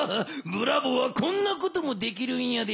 ブラボーはこんなこともできるんやで。